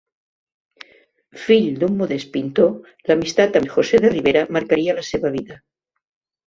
Fill d'un modest pintor, l'amistat amb José de Ribera marcaria la seva vida.